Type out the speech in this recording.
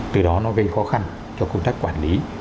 từ đó nó gây khó khăn cho công tác quản lý